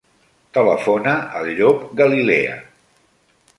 Telefona al Llop Galilea.